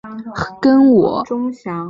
跟我一样的声音